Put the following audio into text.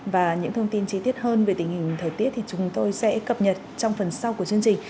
và những thông tin chi tiết hơn về tình hình thời tiết thì chúng tôi sẽ cập nhật trong phần sau của chương trình